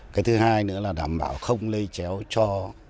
cái thứ hai nữa là đảm bảo không lây chéo cho